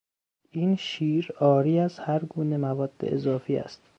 این شیر عاری از هرگونه مواد اضافی است.